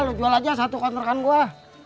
lo jual aja satu kontrakan gue